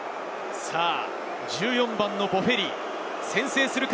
１４番のボフェリ、先制するか？